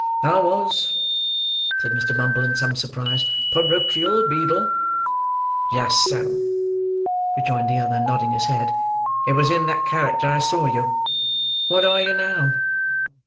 "I was," said Mr. Bumble, in some surprise; "porochial beadle." "Just so," rejoined the other, nodding his head. "It was in that character I saw you. What are you now?"